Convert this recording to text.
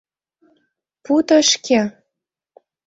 Пу тышке!